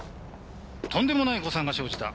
とんでもない誤算が生じた。